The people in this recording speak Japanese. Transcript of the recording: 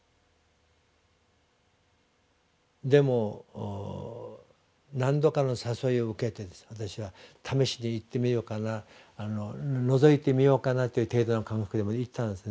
でも何度かの誘いを受けて私は試しに行ってみようかなのぞいてみようかなという程度の感覚で行ったんです。